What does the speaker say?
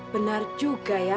benar juga ya